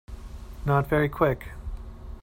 Not very Quick.